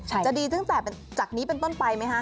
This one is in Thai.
จะดีตั้งแต่จากนี้เป็นต้นไปไหมคะ